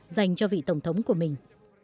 dành cho vị tổng thống của mình